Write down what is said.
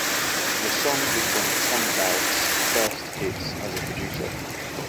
The song was one of Tom Dowd's first hits as a producer.